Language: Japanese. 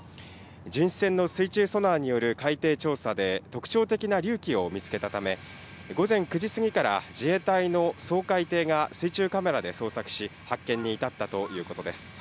巡視船の水中ソナーによる海底調査で、特徴的な隆起を見つけたため、午前９時過ぎから自衛隊の掃海艇が水中カメラで捜索し、発見に至ったということです。